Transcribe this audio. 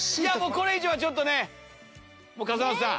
これ以上はちょっとね笠松さん